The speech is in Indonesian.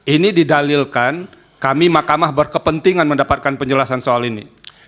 ini didalilkan kami mahkamah berkepentingan mendapatkan penjelasan soal ini